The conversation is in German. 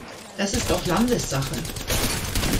Das ist auch Landessache.